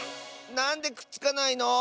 なんでくっつかないの？